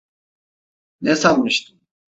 Ne sanmıştın?